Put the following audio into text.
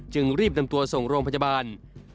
จึงรีบนำตัวส่งโรงพยาบาล